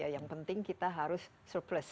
yang penting kita harus surplus